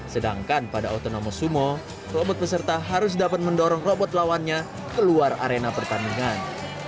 sedangkan pada otonomo sumo robot peserta harus dapat mendorong robot lawannya keluar arena pertandingan